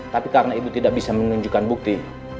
tapi karena itu tidak bisa menunjukkan bukti